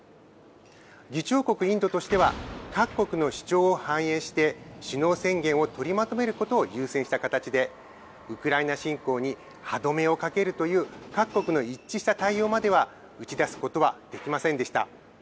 議長国インドとしては、各国の主張を反映して首脳宣言を取りまとめることを優先した形で、ウクライナ侵攻に歯止めをかけるという各国の一致した対応までは打ち出すことはできませんでした。